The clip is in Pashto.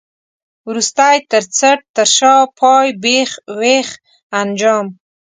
وروستی، تر څټ، تر شا، پای، بېخ، وېخ، انجام.